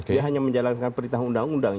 dia hanya menjalankan perintah undang undang